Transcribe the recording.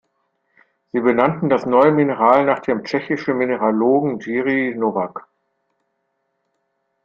Sie benannten das neue Mineral nach dem tschechischen Mineralogen Jiří Novák.